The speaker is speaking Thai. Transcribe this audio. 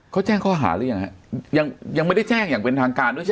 เขาแจ้งข้อหาหรือยังฮะยังยังไม่ได้แจ้งอย่างเป็นทางการด้วยใช่ไหม